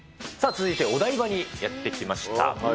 続いてお台場にやって来ました。